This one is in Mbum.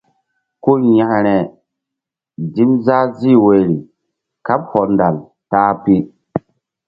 Ku yȩkre dim zah zih wori kaɓ hɔndal ta-a pi.